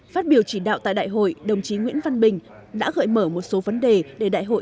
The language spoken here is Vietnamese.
phát biểu chỉ đạo tại đại hội đồng chí nguyễn văn bình đã gợi mở một số vấn đề để đại hội